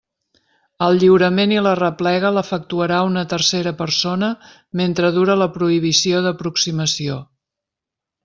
El lliurament i la replega l'efectuarà una tercera persona mentre dure la prohibició d'aproximació.